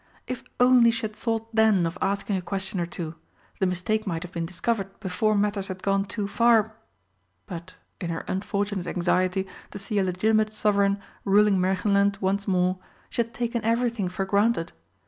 If only she had thought then of asking a question or two, the mistake might have been discovered before matters had gone too far but, in her unfortunate anxiety to see a legitimate sovereign ruling Märchenland once more she had taken everything for granted.